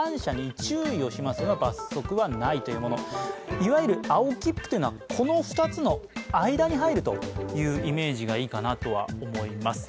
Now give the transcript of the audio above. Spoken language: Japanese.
いわゆる青切符というのはこの２つの間に入るというイメージがいいかなとは思います。